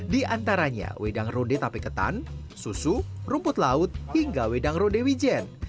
di antaranya wedang ronde tape ketan susu rumput laut hingga wedang ronde wijen